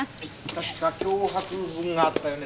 確か脅迫文があったよね。